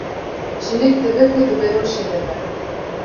Jinik dibe ku di beroşê de be.